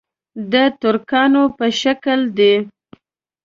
د ترکانو په شکل دي.